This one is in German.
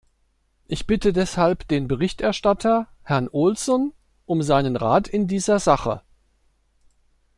Ich bitte deshalb den Berichterstatter, Herrn Olsson, um seinen Rat in dieser Sache.